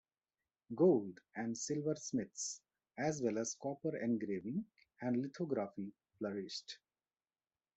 Gold- and silversmiths as well as copper engraving and lithography flourished.